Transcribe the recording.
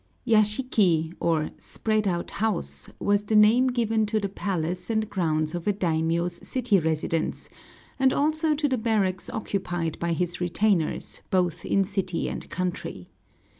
Yashiki, or spread out house, was the name given to the palace and grounds of a daimiō's city residence, and also to the barracks occupied by his retainers, both in city and country.